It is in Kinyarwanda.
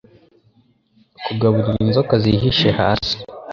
kugaburira inzoka zihishe hasi